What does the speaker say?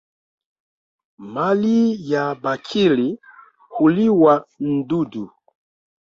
Mali ya bakhili huliwa n'dudu